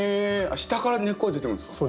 下から根っこが出てくるんですか？